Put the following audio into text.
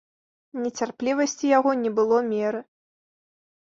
Нецярплівасці яго не было меры.